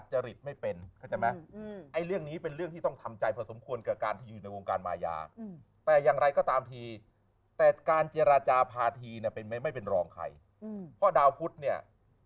ใช่ไหมทัยยี่ด้วยคำพูดเอาตายไปเลย